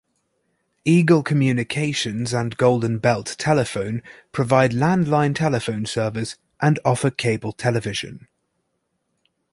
Eagle Communications and Golden Belt Telephone provide landline telephone service and offer cable television.